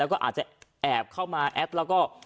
อาจจะแอบเข้ามาแอดแล้วก็